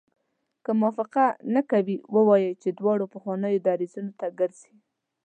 که موافقه نه کوي ووایي چې دواړه پخوانیو دریځونو ته ګرځي.